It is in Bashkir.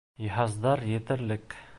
Йыһаздар етерлек.